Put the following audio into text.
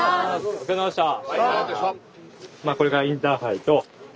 お疲れさまでした。